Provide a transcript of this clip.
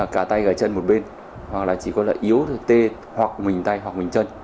cả tay cả chân một bên hoặc là chỉ có là yếu t hoặc mình tay hoặc mình chân